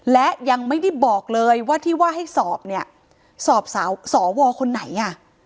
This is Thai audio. และยังไม่ได้บอกเลยว่าที่ว่าให้สอบเนี่ยสอบสวคนไหนอ่ะ